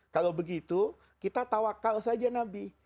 kalau begitu kita tawakal saja nabi